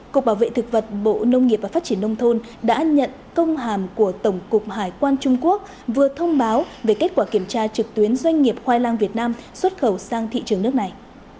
cục bảo vệ thực vật bộ nông nghiệp và phát triển nông thôn đã nhận công hàm của tổng cục hải quan trung quốc vừa thông báo về kết quả kiểm tra trực tuyến doanh nghiệp khoai lang việt nam xuất khẩu sang thị trường nước này